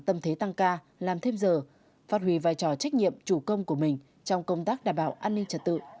tâm thế tăng ca làm thêm giờ phát huy vai trò trách nhiệm chủ công của mình trong công tác đảm bảo an ninh trật tự